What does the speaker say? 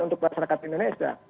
untuk masyarakat indonesia